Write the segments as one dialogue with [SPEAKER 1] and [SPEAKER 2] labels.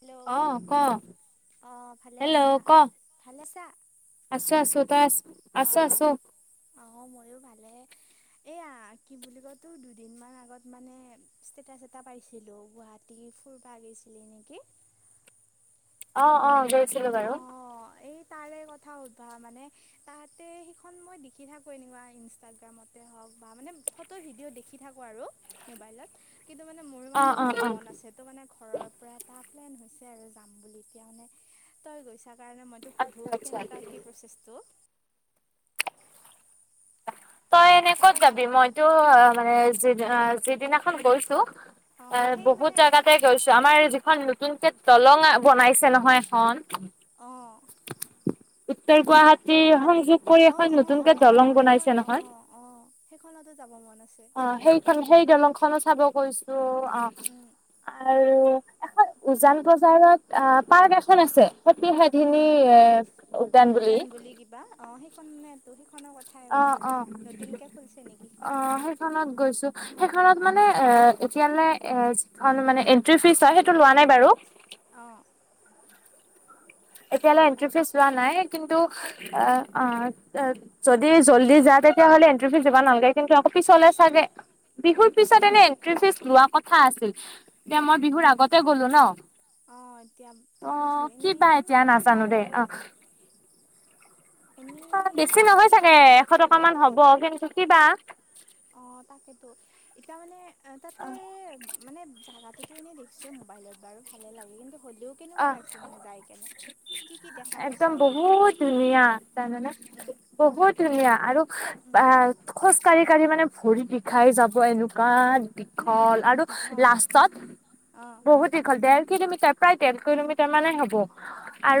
[SPEAKER 1] Hello
[SPEAKER 2] অ' ক
[SPEAKER 1] অঁ ভালে আছা?
[SPEAKER 2] হেল্ল' ক
[SPEAKER 1] ভালে
[SPEAKER 2] আছো আছোঁ তই আছ আছো আছো
[SPEAKER 1] অ' অ' ময়ো ভালে। এইয়া কি বুলি কয় তোৰ, দুদিনমান আগত মানে ষ্টেটাছ এটা পাইছিলোঁ গুৱাহাট টি ফুুৰবা আহিছিলে নেকি
[SPEAKER 2] অ' অ' গৈছিলো বাৰু।
[SPEAKER 1] অ' এই তাৰে কথা সুধবা মানে তাহাঁতে সেইখন মই দেখি থাকোঁ এনেকুৱা ইনষ্টাগ্ৰামতে হওক বা মানে ফটো ভিডিঅ' দেখি থাকোঁ আৰু মোবাইলত কিন্তু মানে মোৰো
[SPEAKER 2] অ
[SPEAKER 1] মানে
[SPEAKER 2] অ
[SPEAKER 1] যাব
[SPEAKER 2] অ
[SPEAKER 1] মন আছে। ত' মানে ঘৰৰ পৰা এটা প্লেন হৈছে আৰু যাম বুলি। এতিয়া মানে তই গৈছা কাৰণে মই- টো সুধো
[SPEAKER 2] আচ্ছা আচ্ছা
[SPEAKER 1] কেনেকুৱা কি প্ৰচেছটো।
[SPEAKER 2] তই এনেই ক'ত
[SPEAKER 1] অকচোন
[SPEAKER 2] যাবি? মইতো মানে যিদিনা-যিদিনাখন গৈছো-
[SPEAKER 1] অঁ
[SPEAKER 2] আঁহ',
[SPEAKER 1] সেই
[SPEAKER 2] বহুত
[SPEAKER 1] মানে
[SPEAKER 2] জাগাতে- গৈছোঁ, আমাৰ যিখন নতুনকে দলং বনাইছে নহয় এখন।
[SPEAKER 1] অ‌ঁহ'।
[SPEAKER 2] উত্তৰ গুৱাহাটী
[SPEAKER 1] গুৱাহাটী
[SPEAKER 2] সংযোগ কৰি
[SPEAKER 1] অঁ
[SPEAKER 2] এখন
[SPEAKER 1] অঁ
[SPEAKER 2] নতুনকে
[SPEAKER 1] অঁ
[SPEAKER 2] দলং
[SPEAKER 1] অঁ সেইখন
[SPEAKER 2] বনাইছে নহয়।
[SPEAKER 1] অঁ অঁ সেইখনতো যাব মন আছে
[SPEAKER 2] অ' সেইখন সেই দলংখনো চাব গৈছোঁ। অঁহ'।
[SPEAKER 1] উম
[SPEAKER 2] আৰু এখন উজান বজাৰত আঁহ' পাৰ্ক এখন আছে। সতি
[SPEAKER 1] উম
[SPEAKER 2] সাধিনী এ' উদ্যান বুলি।
[SPEAKER 1] বুলি কিবা, অঁ', -সেইখনেতো-সেইখনৰ কথাই
[SPEAKER 2] অ
[SPEAKER 1] কৈছোঁ
[SPEAKER 2] অ
[SPEAKER 1] মই নতুনকে খুলিছে নেকি সেইখন।
[SPEAKER 2] স্থানত গৈছোঁ। সেইখনত মানে এ' এতিয়ালে এ' মানে এনট্ৰি ফিজ হয় সেইটো লোৱা নাই বাৰু।
[SPEAKER 1] অঁ।
[SPEAKER 2] এতিয়ালে এন্ট্ৰি ফিজ
[SPEAKER 1] তাৰপিছত
[SPEAKER 2] লোৱা নাই। কিন্তু আঁহ', -অঁ', - যদি জল্দি যাই তেতিয়াহ'লে এণ্ট্ৰিফিজ দিব নালাগে। কিন্তু আকৌ পিছলৈ চাগে- বিহুৰ পিছত এনেই এণ্ট্ৰি ফিজ লোৱা কথা আছিল। এতিয়া মই বিহুৰ আগতে গলোঁ
[SPEAKER 1] অঁ এতিয়া
[SPEAKER 2] ন'।
[SPEAKER 1] তাকেইতো
[SPEAKER 2] অ'
[SPEAKER 1] এনেই
[SPEAKER 2] কিবা?
[SPEAKER 1] কিমানমান বা
[SPEAKER 2] নাজানো দেই,
[SPEAKER 1] হয়
[SPEAKER 2] অঁহ',।
[SPEAKER 1] এনেই
[SPEAKER 2] অ', বেছি নহয়
[SPEAKER 1] ফিফটি
[SPEAKER 2] চাগে এশ টকা মান হ'ব। কিন্তু কিবা
[SPEAKER 1] অঁ', -তাকেটো। এতিয়া মানে তা'তে- মানে জাগাটোতো এনেই দেখিছোঁ মোবাইলত বাৰু ভালেই লাগে। কিন্তু হ'লেও- কেনেকুৱা
[SPEAKER 2] অ'
[SPEAKER 1] লাগিছে মানে যাই কেনে? কি কি দেখা
[SPEAKER 2] একদম
[SPEAKER 1] পাইছা বা কেনেকুৱা
[SPEAKER 2] বহুত
[SPEAKER 1] কি
[SPEAKER 2] ধুনীয়া তাৰমানে-
[SPEAKER 1] উম
[SPEAKER 2] বহুত ধুনীয়া আৰু
[SPEAKER 1] উম
[SPEAKER 2] বা' আ', - খোজ কাঢ়ি-কাঢ়ি মানে ভৰি বিষাই যাব এনেকুৱা-
[SPEAKER 1] মানে
[SPEAKER 2] দীঘল
[SPEAKER 1] বহুত
[SPEAKER 2] আৰু
[SPEAKER 1] দীঘল
[SPEAKER 2] লাষ্টত
[SPEAKER 1] অ
[SPEAKER 2] বহুত- দীঘল দেৰ কিলোমিটাৰ প্ৰায় দেৰ কিলোমিটাৰ মানে হ'ব।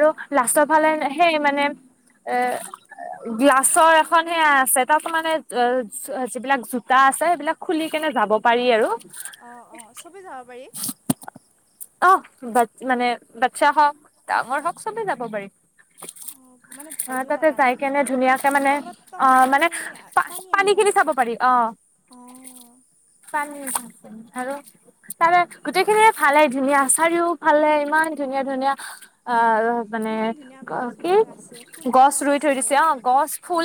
[SPEAKER 1] অ
[SPEAKER 2] লাষ্টৰ ফালে সেই মানে এ- গ্লাছৰ এখন সেয়া আছে, তা'তো মানে অ' যিবিলাক জোতা আছে সেইবিলাক- খুলি কেনে যাব পাৰি আৰু।
[SPEAKER 1] অ অ চবেই যাব পাৰি
[SPEAKER 2] অঁহ', বাট মানে বাচ্ছা হওঁক, ডাঙৰ হওঁক চবেই যাব পাৰি।
[SPEAKER 1] হয়। উমঁ, মানে
[SPEAKER 2] আহ
[SPEAKER 1] ভয়টো
[SPEAKER 2] তাতে
[SPEAKER 1] লগা
[SPEAKER 2] যাই
[SPEAKER 1] নাই?
[SPEAKER 2] কেনে ধুনীয়াকে মানে অ
[SPEAKER 1] তলত-তলত পানী-পানী আহি থাকে।
[SPEAKER 2] অঁ'।
[SPEAKER 1] অঁ'।
[SPEAKER 2] পানী, আৰু তাৰে গোটেইখিনিয়ে ভালেই ধুনীয়া চাৰিও- ফালে ইমান ধুনীয়া-ধুনীয়া আঁহ', - মানে
[SPEAKER 1] ইমান ধুনীয়া
[SPEAKER 2] অঁ', কি
[SPEAKER 1] গছবিলাক আছে
[SPEAKER 2] গছ
[SPEAKER 1] ফুলবিলাক
[SPEAKER 2] ৰুই থৈ
[SPEAKER 1] আছে
[SPEAKER 2] দিছে। অঁ', -গছ
[SPEAKER 1] অ
[SPEAKER 2] ফুল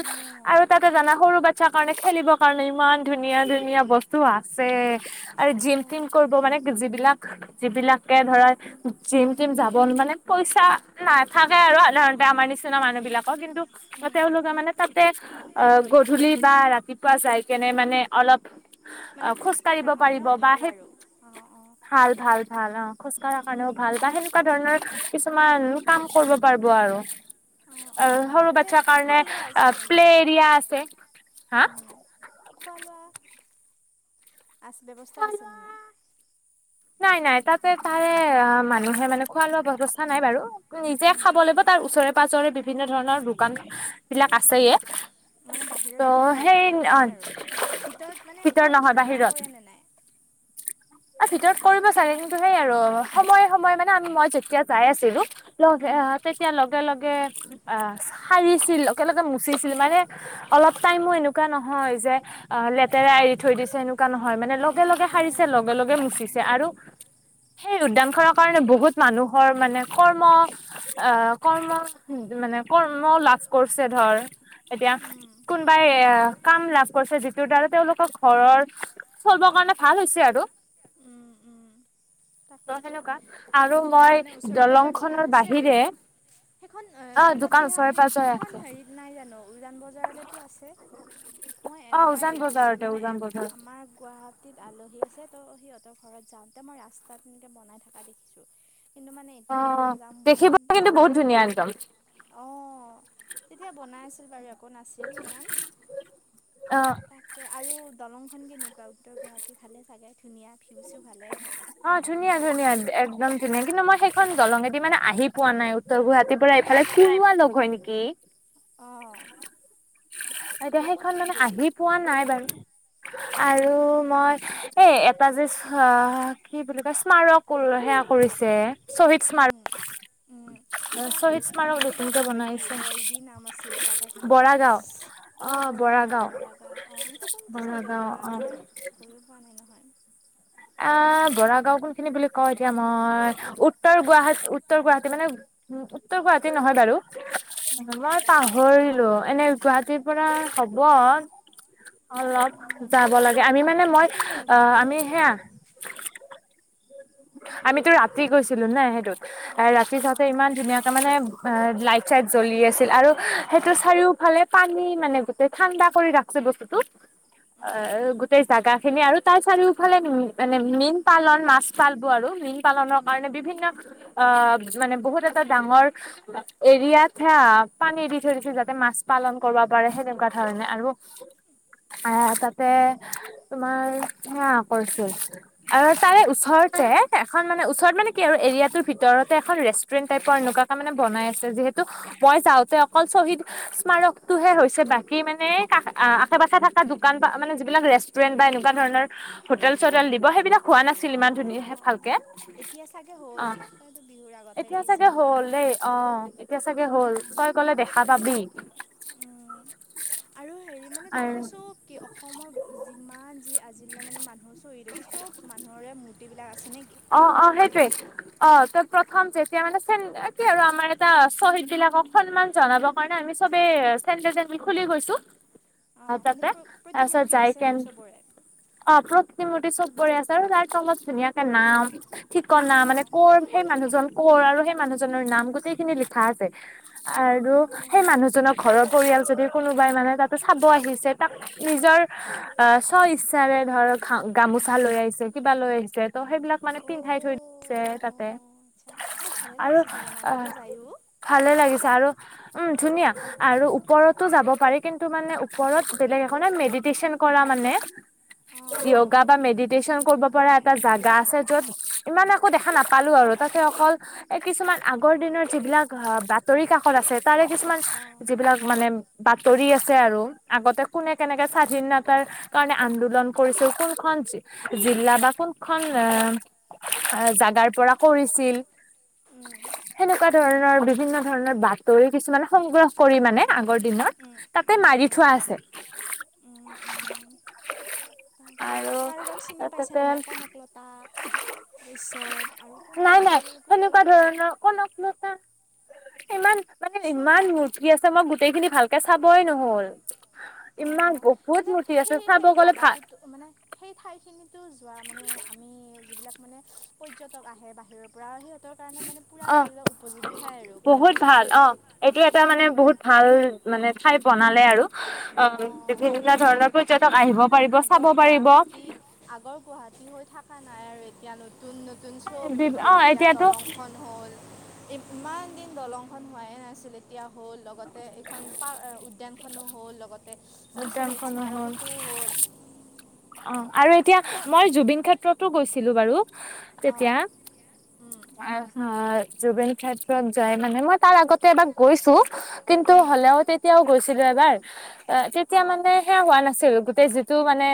[SPEAKER 2] আৰু- তা'তে জানা সৰু বাচ্ছা কাৰণে খেলিবৰ কাৰণে ইমান ধুনীয়া-ধুনীয়া বস্তু- আছে।
[SPEAKER 1] অ
[SPEAKER 2] আৰু জাম্পিং কৰিব কাৰণে যিবিলাক-যিবিলাকে ধৰা- জিম-টিম যাব, মানে পইচা নাথাকে আৰু সাধাৰণতে আমাৰ নিচিনা মানুহ বিলাকৰ কিন্তু-
[SPEAKER 1] উম
[SPEAKER 2] তেওঁলোকে মানে তা'তে আহ' গধূলি বা ৰাতিপুৱা যাই কেনে মানে অলপ- অ
[SPEAKER 1] মানে খোজ
[SPEAKER 2] কাঢ়িব
[SPEAKER 1] কঢ়াৰ
[SPEAKER 2] পাৰিব
[SPEAKER 1] কাৰণেও
[SPEAKER 2] বা
[SPEAKER 1] ভাল
[SPEAKER 2] সেই
[SPEAKER 1] আৰু অ', অ'।
[SPEAKER 2] ভাল ভাল ভাল আহ, খোজ কঢ়াৰ কাৰণেও ভাল
[SPEAKER 1] অ',
[SPEAKER 2] বা সেনে নেকুৱা ধৰণৰ কিছুমান কাম কৰিব পাৰিব আৰু। অ', সৰু
[SPEAKER 1] তাতে
[SPEAKER 2] বাচ্ছাৰ
[SPEAKER 1] খোৱা
[SPEAKER 2] কাৰণে
[SPEAKER 1] লোৱা আছেনে নাই?
[SPEAKER 2] প্লে এৰিয়া আছে। হা?
[SPEAKER 1] খোৱা-লোৱা আছে ব্যৱস্থা
[SPEAKER 2] খোৱা লোৱা
[SPEAKER 1] আছেনে নাই?
[SPEAKER 2] নাই নাই তাতে তাৰে অ', মানুহে মানে খোৱা-লোৱা বৱস্থা নাই বাৰু। নিজে
[SPEAKER 1] উম,
[SPEAKER 2] খাব লাগিব তাৰ ওচৰে-পাজৰে বিভিন্ন ধৰণৰ দোকান বিলাক আছেয়ে।
[SPEAKER 1] মানে
[SPEAKER 2] ত'
[SPEAKER 1] বাহিৰত ওলাই আৰু
[SPEAKER 2] সেই
[SPEAKER 1] ভিতৰত নহয় আৰু ভিতৰত মানে খোৱা
[SPEAKER 2] নহয়
[SPEAKER 1] বস্তু এলাও
[SPEAKER 2] বাহিৰত
[SPEAKER 1] কৰে নে নাই?
[SPEAKER 2] ভিতৰত কৰিব চাগে কিন্তু সেই আৰু সময়ে সময়ে মানে আমি মই যেতিয়া যাই আছিলোঁ। লগে আ,
[SPEAKER 1] উম।
[SPEAKER 2] তেতিয়া লগে লগে আহ, সাৰিছিল লগে লগে মুচিছিল মানে অলপ টাইমো এনেকুৱা নহয় যে, লেতেৰা এৰি থৈ দিছে এনেুৱা এনেকা নহয় মানে লগে লগে সাৰিছে লগে, লগে মুচিছে আৰু সেই উদ্যান খনৰ কাৰণে বহুত মানুহৰ মানে কৰ্ম আ, কৰ্ম মানে কৰ্ম লাভ কৰিছে ধৰ এতিয়া
[SPEAKER 1] উম,
[SPEAKER 2] কোনোবাই এ, কাম লাভ কৰিছে যিটোৰ দ্বাৰা তেওঁওলোকৰ ঘৰৰ চলবৰ কাৰণে ভাল হৈছে আৰু। ত
[SPEAKER 1] তাকেতো
[SPEAKER 2] সেনেকুৱা আৰু মই
[SPEAKER 1] মানে ওচৰে
[SPEAKER 2] দলং
[SPEAKER 1] পাজৰে
[SPEAKER 2] খনৰ
[SPEAKER 1] দোকান আছে আৰু?
[SPEAKER 2] বাহিৰে
[SPEAKER 1] সেইখন
[SPEAKER 2] অ দোকান
[SPEAKER 1] সতি
[SPEAKER 2] ওচৰে
[SPEAKER 1] সাবি
[SPEAKER 2] পাজৰে আছে
[SPEAKER 1] সেইখন হেৰিত নাই জানো উজান বজাৰতেতো আছে? মই
[SPEAKER 2] অ
[SPEAKER 1] একবাৰ
[SPEAKER 2] উজান
[SPEAKER 1] দেখিছোঁ,
[SPEAKER 2] বজাৰতে
[SPEAKER 1] মানে
[SPEAKER 2] উজান বজাৰত
[SPEAKER 1] আমাৰ গুৱাহা টিত আলহী আছে, ত' সিহঁতৰ ঘৰত যাওঁতে মই ৰাস্তাত তেনেকে বনাই থকা দেখিছো, কিন্তু মানে
[SPEAKER 2] অ
[SPEAKER 1] এতিয়া যাম যাম বুলি
[SPEAKER 2] দেখিবলৈ কিন্তু
[SPEAKER 1] কিবাকে
[SPEAKER 2] বহুত ধুনীয়া একদম
[SPEAKER 1] অ' তেতিয়া বনাই আছিল বাৰু ক নাছিল, সিমান
[SPEAKER 2] অ
[SPEAKER 1] তা কে আৰু দলংখন কেনেকুৱা উত্তৰ গুৱাহাটী ভালে চাগে, ধুনীয়া ভিউ-চিউ ভালে আহে?
[SPEAKER 2] অ', ধুনীয়া ধুনীয়া একদম ধুনীয়া কিন্তু মই সেইখন দলঙেদি মানে আহি পোৱা নাই উত্তৰ গুৱাহাটী পৰা এইফালে [unintelligible] লগ হয় নেকি?
[SPEAKER 1] অঁ
[SPEAKER 2] এতিয়া
[SPEAKER 1] আৰু ক'ত
[SPEAKER 2] সেইখন
[SPEAKER 1] ক'ত
[SPEAKER 2] মানে
[SPEAKER 1] গেলি
[SPEAKER 2] আহি পোৱা নাই বাৰু আৰু মই এ, এটা যে অ', কি বুলি কয় স্মাৰক সেয়া কৰিছে শ্বহীদ স্মাৰক
[SPEAKER 1] উম উম। কিবা,
[SPEAKER 2] শ্বহীদ
[SPEAKER 1] কিবা,
[SPEAKER 2] স্মাৰক
[SPEAKER 1] কিবা
[SPEAKER 2] নতুনকে
[SPEAKER 1] ব দি
[SPEAKER 2] বনাইছে
[SPEAKER 1] বই দি নাম আছিল জগাখিনিৰ।
[SPEAKER 2] বৰা গাঁও
[SPEAKER 1] অ',
[SPEAKER 2] বৰা
[SPEAKER 1] বৰাগাঁও,
[SPEAKER 2] গাঁও
[SPEAKER 1] বৰাগাঁও অ', সেইটো কোনটো
[SPEAKER 2] বৰা
[SPEAKER 1] চাইডত
[SPEAKER 2] গাঁও
[SPEAKER 1] বা
[SPEAKER 2] অ
[SPEAKER 1] মই গৈও পোৱা নাই নহয়?
[SPEAKER 2] আ, বৰাগাওঁ কোনখিনি বুলি কওঁ এতিয়া মই উত্তৰ গুৱাহাট উত্তৰ গুৱাহাটী মানে উম, উত্তৰ গুৱাহাটী নহয় বাৰু।
[SPEAKER 1] উম
[SPEAKER 2] মই পাহৰিলো এনে গুৱাহাটীৰ পৰা হ'ব। অলপ
[SPEAKER 1] উম
[SPEAKER 2] যাব লাগে, আমি মানে মই
[SPEAKER 1] সেইটো কেনেকুৱা
[SPEAKER 2] অ',
[SPEAKER 1] মানে
[SPEAKER 2] আমি
[SPEAKER 1] সেইটো
[SPEAKER 2] হেয়া
[SPEAKER 1] [inaudible]
[SPEAKER 2] আমিতো ৰাতি গৈছিলো না সেইটোত। ৰাতি
[SPEAKER 1] অ
[SPEAKER 2] যাওঁতে ইমান ধুনীয়াকে মানে এ, লাইট-চাইট জ্বলি আছিল আৰু সেইটো চাৰিওফালে পানী মানে গোটেই ঠাণ্ডা কৰি ৰাখছে বস্তুটো।
[SPEAKER 1] অ
[SPEAKER 2] আ, গোটেই জাগাখিনি আৰু তাৰ চাৰিওফালে মানে মীন পালন মাছ পালব, আৰু মীন পালনৰ
[SPEAKER 1] উম
[SPEAKER 2] কাৰণে বিভিন্ন আ, মানে বহুত এটা ডাঙৰ এৰিয়াত হা, পানী দি থৈছো যাতে মাছ পালন কৰিব পাৰে সেনেকুৱা ধৰণে আৰু।
[SPEAKER 1] [inaudible]
[SPEAKER 2] আ, তাতে তোমাৰ হেয়া কৰিছিল। আৰু তাৰে ওচৰতে, এখন মানে ওচৰত মানে কি আৰু, এৰিয়াটোৰ ভিতৰতে এখন ৰেচ টুৰেণ্ট টাইপৰ এনেকুৱাকৈ মানে বনাই আছে, যিহেতু মই যাওঁতে অকল শ্বহীদ স্মাৰকটোহে হৈছে বাকী মানে কা, আশে
[SPEAKER 1] উম
[SPEAKER 2] পাশে থকা দোকান পা মানে যিবিলাক ৰেচ টুৰেণ্ট বা এনেকুৱা ধৰণৰ হোটেল চোটেল দিব, সেইবিলাক হোৱা নাছিল
[SPEAKER 1] অ
[SPEAKER 2] ইমান
[SPEAKER 1] অ
[SPEAKER 2] ধুনীয়া
[SPEAKER 1] অ অ
[SPEAKER 2] ভালকে,
[SPEAKER 1] এতিয়া চাগে
[SPEAKER 2] অ।
[SPEAKER 1] হ'ল তইতো বিহুৰ আগতে
[SPEAKER 2] এতিয়া চাগে
[SPEAKER 1] গৈছিলি
[SPEAKER 2] হ'ল
[SPEAKER 1] বাৰু
[SPEAKER 2] দেই। অ', এতিয়া চাগে হ'ল।
[SPEAKER 1] উম
[SPEAKER 2] তই গলে দেখা পাবি।
[SPEAKER 1] আৰু হেৰি মানে তাতে
[SPEAKER 2] আৰু
[SPEAKER 1] চ'ব কি অসমৰ যিমান যি আজিলৈ মানে মানুহ শ্বহীদ হৈছে, চব মানুহৰে মূৰ্তিবিলাক আছে নে কি?
[SPEAKER 2] অ, অ, সেইটোৱেই। অ, ত' প্ৰথম যেতিয়া মানে চেন, এ কি আৰু আমাৰ এটা শ্বহীদ বিলাকক সন্মান জনাব কাৰণে আমি চবে চেণ্ডেল তেণ্ডেল খুলি গৈছো
[SPEAKER 1] অ,
[SPEAKER 2] আহ
[SPEAKER 1] মানে
[SPEAKER 2] তাতে।
[SPEAKER 1] প্ৰ‌
[SPEAKER 2] তাৰপিছত
[SPEAKER 1] প্ৰতিমূৰ্তি
[SPEAKER 2] যাই
[SPEAKER 1] আছে
[SPEAKER 2] কেন
[SPEAKER 1] আৰু চবৰে?
[SPEAKER 2] অ, প্ৰতিমূৰ্তি চবৰে আছে আৰু তাৰ তলত ধুনীয়াকে নাম ঠিকনা মানে
[SPEAKER 1] অঁ
[SPEAKER 2] ক'ৰ, সেই মানুহজন ক'ৰ, আৰু সেই
[SPEAKER 1] অঁ
[SPEAKER 2] মানুহজনৰ নাম
[SPEAKER 1] অঁ
[SPEAKER 2] গোটেইখিনি লিখা আছে। আৰু সেই
[SPEAKER 1] অ'
[SPEAKER 2] মানুহজনৰ ঘৰৰ পৰিয়াল যদি কোনোবাই মানে তাতে চাব আহিছে, তাক নিজৰ স্বইচ্ছাৰে ধৰ গামোচা লৈ আহিছে, কিবা লৈ আহিছে ত' সেইবিলাক মানে
[SPEAKER 1] অ'
[SPEAKER 2] পিন্ধাই থৈ দিছে তাতে
[SPEAKER 1] এই ভালে
[SPEAKER 2] আৰু
[SPEAKER 1] লাগিছে চাগে ন
[SPEAKER 2] আহ
[SPEAKER 1] তাতে যায়ো?
[SPEAKER 2] ভালে লাগিছে, আৰু উম, ধুনীয়া। আৰু ওপৰতো যাব পাৰি, কিন্তু মানে ওপৰত বেলেগে মেডিটেচন কৰা মানে
[SPEAKER 1] অঁ অঁ অঁ
[SPEAKER 2] য়োগা বা মেডিটেশ্যন কৰিব পৰা এটা জাগ গা আছে, য'ত ইমান একো দেখা নাপালো আৰু, তাতে অকল এই কিছুমান আগৰ দিনৰ যিবিলাক বাতৰি কাকত আছে তাৰে কিছুমান,
[SPEAKER 1] অঁ
[SPEAKER 2] যিবিলাক মানে বাতৰি আছে আৰু, আগতে কোনে কেনেকৈ স্বাধীনতাৰ কাৰণে আন্দোলন কৰিছিল, কোনখন জিলা বা কোন খন এ, জাগাৰ পৰা কৰিছিল
[SPEAKER 1] উম
[SPEAKER 2] সেনেকুৱা ধৰণৰ, বিভিন্ন ধৰণৰ বাতৰি কিছুমান সংগ্ৰহ কৰি মানে, আগৰ দিনৰ
[SPEAKER 1] উম
[SPEAKER 2] তাতে
[SPEAKER 1] উম
[SPEAKER 2] মাৰি থোৱা আছে।
[SPEAKER 1] উম, উম, তাকেইতো
[SPEAKER 2] আৰু
[SPEAKER 1] কাৰোবাক চিনি পাইছে নে
[SPEAKER 2] তাতে
[SPEAKER 1] নাই, কনকলত তা, তাৰপিছত আৰু কোন
[SPEAKER 2] নাই
[SPEAKER 1] আছিল,
[SPEAKER 2] নাই
[SPEAKER 1] কুশল
[SPEAKER 2] সেনেকুৱা
[SPEAKER 1] কোঁৱৰ
[SPEAKER 2] ধৰণৰ কনকলতা, ইমান মানে,
[SPEAKER 1] চোৱা
[SPEAKER 2] ইমান
[SPEAKER 1] নাই
[SPEAKER 2] মূৰ তি আছে, মই গোটেইখিনি ভালকে চাবই নহ'ল। ইমান,
[SPEAKER 1] অঁ
[SPEAKER 2] বহুত মূৰ্তি আছে, চাব গ'লে ভা
[SPEAKER 1] ত মানে সেই ঠাইখিনিতো যোৱা, মানে আমি যিবিলাক মানে পৰ্যটক আহে বাহিৰৰ পৰা, সিহঁতৰ কাৰণে মানে পূৰা
[SPEAKER 2] অ
[SPEAKER 1] উপযোগী ঠাই আৰু পূৰা
[SPEAKER 2] বহুত ভাল অ, এইটো এটা মানে, বহুত ভাল মানে ঠাই বনালে আৰু। ‌ অ'
[SPEAKER 1] অঁ
[SPEAKER 2] [unintelligible] ধৰণৰ পৰ্যটক আহিব
[SPEAKER 1] এই
[SPEAKER 2] পাৰিব, চাব
[SPEAKER 1] আগৰ
[SPEAKER 2] পাৰিব।
[SPEAKER 1] গুৱাহাটী আগৰ গুৱাহাটী হৈ থকা নাই আৰু এতিয়া, নতুন নতুন, চব
[SPEAKER 2] অ
[SPEAKER 1] নতুন। এতিয়া
[SPEAKER 2] এতিয়াতো
[SPEAKER 1] দলংখন হ'ল, ইমান দিন দলংখন হোৱাই নাছিলে এতিয়া হ'ল, লগতে এইখন পা অ উদ্যানখনো হ'ল লগতে চ'ত
[SPEAKER 2] উদ্যানখনো হ'ল
[SPEAKER 1] মাৰ্কেটটো।
[SPEAKER 2] অ আৰু এতিয়া, মই জুবিন ক্ষেত্ৰতো গৈছিলোঁ বাৰু। তেতিয়া
[SPEAKER 1] অঁ উম
[SPEAKER 2] আ। অ', জুবিন ক্ষেত্ৰত যাই, মানে, মই তাৰ আগতে এবাৰ গৈছোঁ। কিন্তু
[SPEAKER 1] উম
[SPEAKER 2] হ'লেও, তেতিয়াও গৈছিলোঁ এবাৰ। অ', তেতিয়া,
[SPEAKER 1] অঁ
[SPEAKER 2] মানে, সেয়া হোৱা নাছিল গোটেই, যিটো, মানে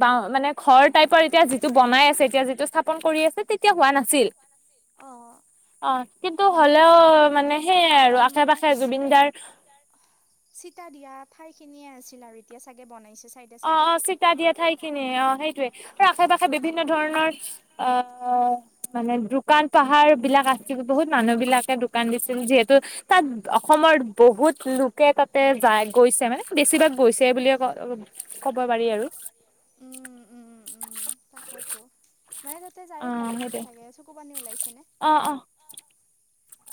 [SPEAKER 2] বাও মানে, ঘৰ টাইপৰ, এতিয়া যিটো বনাই আছে, এতিয়া যিটো স্থাপন কৰি আছে, তেতিয়া হোৱা নাছিল।
[SPEAKER 1] অ'
[SPEAKER 2] অ', কিন্তু
[SPEAKER 1] মানে
[SPEAKER 2] হ'লেও, মানে,
[SPEAKER 1] তেতিয়া
[SPEAKER 2] সেইয়াই। আৰু আশে-পাশে জুবিনদাৰ
[SPEAKER 1] অ', চিতা দিয়া ঠাইখিনিয়েই আছিল, আৰু এতিয়া চাগে বনাইছে। চাইডে
[SPEAKER 2] অ',
[SPEAKER 1] চাইডে।
[SPEAKER 2] অ', চিতা দিয়া ঠাইখিনিয়েই। অ', সেইটোৱেই, আৰু আশে-পাশে বিভিন্ন ধৰণৰ আআআআআ। মানে, দোকান-পাহাৰবিলাক আছিল। বহুত মানুহবিলাকে দোকান দিছিল, যিহেতু তাত অসমৰ বহুত লোকে তাতে যায়, গৈছে, মানে, বেছিভাগ গৈছে বুলিয়েই ক'ব পাৰি আৰু।
[SPEAKER 1] তাকেইতো, মানে, তাতে
[SPEAKER 2] অ
[SPEAKER 1] যায়ো। ভাল লাগিছে
[SPEAKER 2] সেইটোৱে
[SPEAKER 1] চাগে ন? চকুপানী ওলাইছেনে?
[SPEAKER 2] অ', অ,।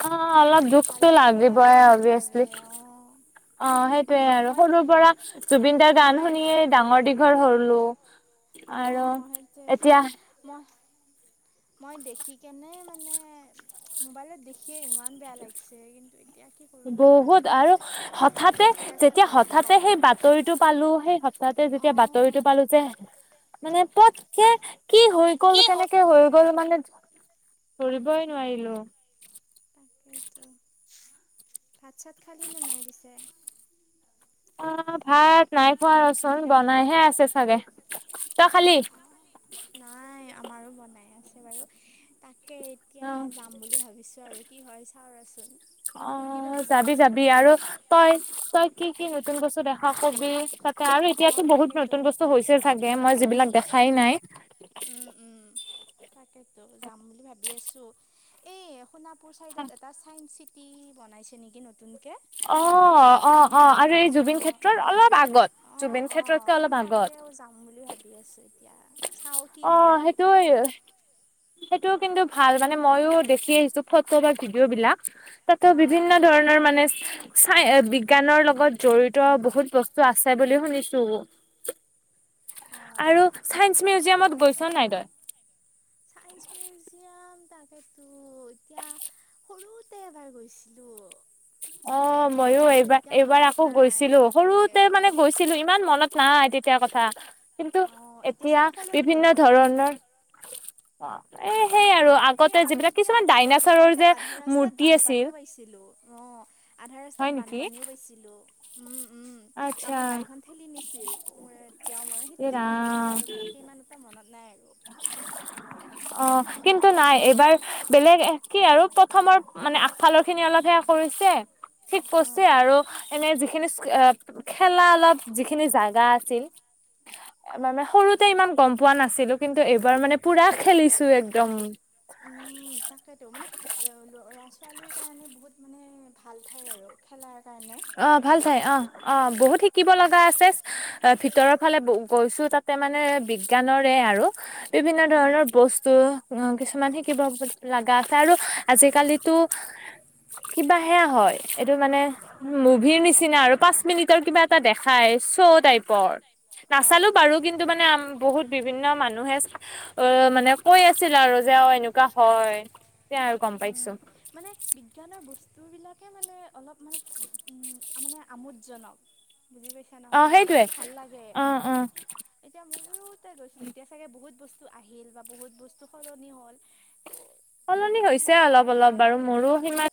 [SPEAKER 2] অ', অলপ দুখটো
[SPEAKER 1] ভালো লাগে অলপ
[SPEAKER 2] লাগিবয়ে
[SPEAKER 1] দুখ লাগে
[SPEAKER 2] অবিয়েচলি।
[SPEAKER 1] অ'।
[SPEAKER 2] অ',
[SPEAKER 1] তাকেতো
[SPEAKER 2] সেইটোৱেই আৰু
[SPEAKER 1] মই
[SPEAKER 2] সৰুৰ পৰা জুবিন দাৰ গান
[SPEAKER 1] মই
[SPEAKER 2] শুনিয়েই ডাঙৰ-দীঘল হ'লোঁ।
[SPEAKER 1] অ', সেইটোৱেই টো মই। মই দেখি, মানে, মোবাইলত দেখিয়েই ইমান বেয়া লাগিছে। কিন্তু এতিয়া কি কৰিবা
[SPEAKER 2] বহুত আৰু হঠাতে
[SPEAKER 1] য'তে আছে
[SPEAKER 2] যেতিয়া
[SPEAKER 1] ভালে থাকক।
[SPEAKER 2] হঠাতে সেই বাতৰিটো পালো সেই সপ্তাহতে যেতিয়া বাতৰিতটো
[SPEAKER 1] হঠাতে
[SPEAKER 2] পালো যে মানে পতকে কি হৈ গ'ল কেনেকে হৈ গ'ল মানে ধৰিবই নোৱাৰিলো।
[SPEAKER 1] তাকেইতো ভাত- চাত খালি নে নাই পিছে।
[SPEAKER 2] অ ভাত নাই খোৱা ৰচোন বনাইহে আছে চাগে তই খালি?
[SPEAKER 1] নাই আমাৰো বনাই আছে বাৰু। তাকে
[SPEAKER 2] অ
[SPEAKER 1] এতিয়া যাম বুলি ভাবিছোঁ আৰু কি হয় চাওঁ ৰচোন।
[SPEAKER 2] অ
[SPEAKER 1] সুধি ল'লোঁ তোক
[SPEAKER 2] যাবি যাবি আৰু তই তই কি কি নতুন বস্তু দেখা কবি ত। আৰু এতিয়াতো
[SPEAKER 1] অঁ
[SPEAKER 2] বহুত
[SPEAKER 1] তাকেতো
[SPEAKER 2] নতুন বস্তু হৈছে চাগে মই যিবিলাক দেখাই নাই।
[SPEAKER 1] উম উম তাকেতো যাম বুলি ভাবি আছো এই শুনা পইচা কেইটাট এটা চাইন্স চিটি বনাইছে নেকি নতুনকে?
[SPEAKER 2] অ অ অ আৰু
[SPEAKER 1] অঁ
[SPEAKER 2] এই জুবিন
[SPEAKER 1] অঁ
[SPEAKER 2] ক্ষেত্ৰত অলপ আগত
[SPEAKER 1] অ',
[SPEAKER 2] জুবিন
[SPEAKER 1] অ',
[SPEAKER 2] ক্ষেত্ৰতকে
[SPEAKER 1] এই
[SPEAKER 2] অলপ আগত।
[SPEAKER 1] তাতেও যাম বুলি ভাবি আছোঁ এতিয়া চাওঁ কি হয়।
[SPEAKER 2] তই। সেইটোও কিন্তু ভাল মানে মইও দেখি আহিছো ফটো বা ভিডিঅ' বিলাক। তাতো
[SPEAKER 1] অ',
[SPEAKER 2] বিভিন্ন ধৰণৰ মানে চাই বিজ্ঞানৰ লগত জড়িত বহুত বস্তু আছে বুলি শুনিছো।
[SPEAKER 1] [inaudible] অ',
[SPEAKER 2] আৰু
[SPEAKER 1] তাকেতো
[SPEAKER 2] চাইন্স
[SPEAKER 1] যা
[SPEAKER 2] মিউজিয়ামত গৈচা নাই তই?
[SPEAKER 1] ছাইন্স মিউজিয়াম তাকেতো এতিয়া। সৰুতে এবাৰ গৈছিলো।
[SPEAKER 2] অ মইয়ো এইবাৰ এইবাৰ আকৌ
[SPEAKER 1] নাই
[SPEAKER 2] গৈছিলো
[SPEAKER 1] ভালকে।
[SPEAKER 2] সৰুতে মানে গৈছিলো ইমান মনত নাই তেতিয়া কথা। কিন্তু
[SPEAKER 1] অ',
[SPEAKER 2] এতিয়া
[SPEAKER 1] চাগে সলনি হ'ল
[SPEAKER 2] বিভিন্ন
[SPEAKER 1] চব।
[SPEAKER 2] ধৰণৰ এ সেই আৰু
[SPEAKER 1] এ
[SPEAKER 2] আগতে
[SPEAKER 1] আৰু
[SPEAKER 2] যিবিলাক
[SPEAKER 1] তেতিয়া
[SPEAKER 2] কিছুমান
[SPEAKER 1] আমি যাই
[SPEAKER 2] ডাইনাছৰৰ যে মূৰ্তি আছিল।
[SPEAKER 1] লো অ', আধা ৰাস্তাত
[SPEAKER 2] হয় নেকি
[SPEAKER 1] বানপানীও পাইছিলোঁ, উম, উম।
[SPEAKER 2] আচ্ছা
[SPEAKER 1] আমাৰ গাড়ীখন ঠেলি নিছিল মোৰ এতিয়াও মনত
[SPEAKER 2] এ
[SPEAKER 1] সেতেও মনত
[SPEAKER 2] ৰাম
[SPEAKER 1] আছে আৰু ভালকে ইমান। এটা মনত নাই আৰু।
[SPEAKER 2] অ', কিন্তু নাই এইবাৰ। বেলেগ কি আৰু প্ৰথমৰ মানে আগফালৰ খিনি অলপ সেয়া কৰিছে। ঠিক পছে
[SPEAKER 1] অ'
[SPEAKER 2] আৰু এনে যিখিনি খেলা অলপ যিখিনি জাগা আছিল। মানে সৰুতে ইমান গ'ম পোৱা নাছিলো কিন্তু এইবাৰ মানে পুৰা খেলিছো একদম।
[SPEAKER 1] উম
[SPEAKER 2] [inaudible]
[SPEAKER 1] তাকেতো মানে ল'ৰা ছোৱালীৰ কাৰণে বহুত মানে ভাল ঠাই আৰু খেলাৰ কাৰণে।
[SPEAKER 2] অ', ভাল ঠাই অ', অ', বহুত শিকিব লগা আছে, ভিতৰৰ ফালে গৈছোঁ তাত মানে বিজ্ঞানৰে আৰু। বিভিন্ন ধৰণৰ বস্তু কিছুমান শিকিব লগা আছে আৰু আজিকালিতো
[SPEAKER 1] [inaudible]
[SPEAKER 2] কিবা হেয়া হয়, এইটো মানে মুভিৰ নিচিনা আৰু পাঁচ মিনিটৰ কিবা এটা দেখাই শ্ব' টাইপৰ।
[SPEAKER 1] অ'
[SPEAKER 2] নাচালোঁ বাৰু কিন্তু মানে বহুত বিভিন্ন মানুহে অ', মানে কৈ আছিল আৰু যে অ', এনেকুৱা হয়। তেতিয়া আৰু গ'ম
[SPEAKER 1] উম
[SPEAKER 2] পাইছোঁ।
[SPEAKER 1] মানে বিজ্ঞানৰ বস্তুবিলাকে মানে অলপ মানে মানে আমোদজনক। বুজি পাইছা
[SPEAKER 2] অ
[SPEAKER 1] নহয়
[SPEAKER 2] সেইটোৱে
[SPEAKER 1] মানে ভাল লাগে।
[SPEAKER 2] অ অ
[SPEAKER 1] এতিয়া মোৰ সৰুতে গৈছিলোঁ এতিয়া চাগে বহুত বস্তু আহিল বা বহুত বস্তু সলনি হ'ল। ত' যদি
[SPEAKER 2] সলনি হৈছে
[SPEAKER 1] সময় পাওঁ
[SPEAKER 2] অলপ, অলপ,
[SPEAKER 1] যাম
[SPEAKER 2] বাৰু
[SPEAKER 1] আৰু।
[SPEAKER 2] মোৰো সিমান